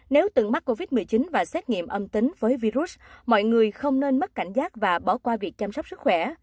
nếu từng mắc covid một mươi chín và xét nghiệm âm tính với virus mọi người không nên mất cảnh giác và bỏ qua việc chăm sóc sức khỏe